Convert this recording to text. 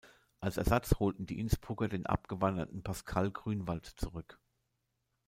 Als Ersatz holten die Innsbrucker den abgewanderten Pascal Grünwald zurück.